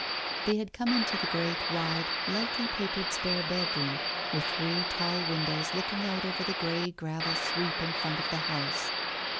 They had come into the great, wide, lightly papered, spare bedroom, with three tall windows looking out over the grey gravel sweep in front of the house.